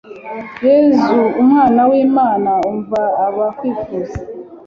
yezu mwana w'imana umva abakwifuza